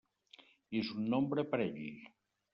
És un nombre parell.